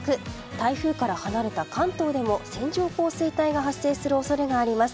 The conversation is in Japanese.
台風から離れた関東でも線状降水帯が発生する恐れがあります。